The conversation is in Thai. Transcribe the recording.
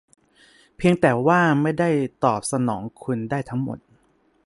เพียงแต่ว่าไม่ได้ตอบสนองคุณได้ทั้งหมด